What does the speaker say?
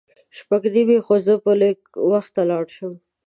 شپږ نیمې خو زه به لږ وخته لاړ شم.